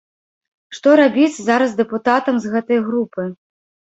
Што рабіць зараз дэпутатам з гэтай групы?